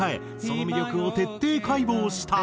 その魅力を徹底解剖した。